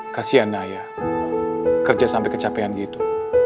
kasian naya kerja sampai kecapean gitu